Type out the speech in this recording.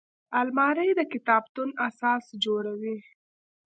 الماري د کتابتون اساس جوړوي